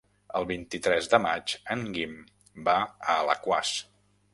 El vint-i-tres de maig en Guim va a Alaquàs.